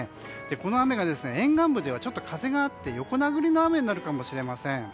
この雨が沿岸部ではちょっと風があって横殴りの雨になるかもしれません。